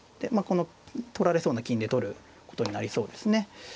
この取られそうな金で取ることになりそうですね。